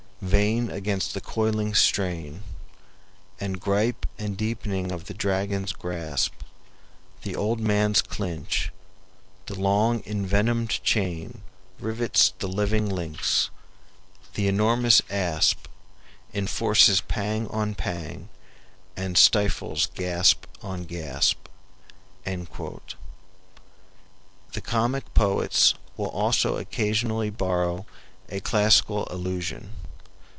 vain against the coiling strain And gripe and deepening of the dragon's grasp The old man's clinch; the long envenomed chain Rivets the living links; the enormous asp Enforces pang on pang and stifles gasp on gasp." The comic poets will also occasionally borrow a classical allusion.